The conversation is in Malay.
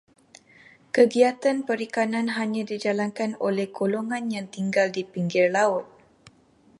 Kegiatan perikanan hanya dijalankan oleh golongan yang tinggal di pinggir laut.